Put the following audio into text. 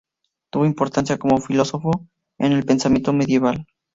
Tuvo importancia como filósofo en el pensamiento medieval.